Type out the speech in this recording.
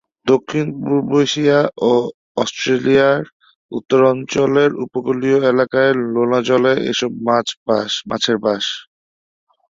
দক্ষিণ-পূর্ব এশিয়া ও অস্ট্রেলিয়ার উত্তরাঞ্চলের উপকূলীয় এলাকার লোনা জলে এসব মাছের বাস।